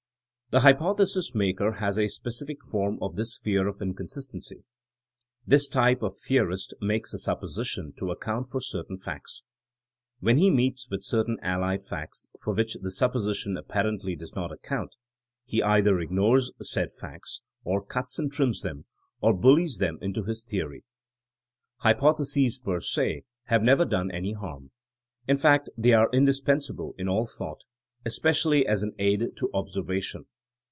The hypothesis maker has a specific form of this fear of inconsistency. This type of the orist makes a supposition to account for cer tain facts. When he meets with certain allied facts for which the supposition apparently does not account, he either ignores said facts, or cuts and trims them, or bullies thena into his theory. Hypotheses per S9 have never done THINEINa AS A SCIENCE 109 any harm. In fact they are indispensable in all thought, especially as an aid to observation.